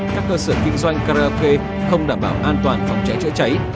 các cơ sở kinh doanh karaoke không đảm bảo an toàn phòng cháy chữa cháy